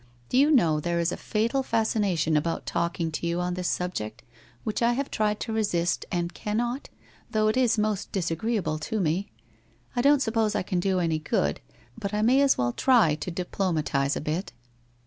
Do you know there is a fatal fascination about talking to you on this subject which I have tried to resist and can not, though it is most disagreeable to me. I don't sup pose I can do any good, but I may as well try to diploma tize ;i bit.'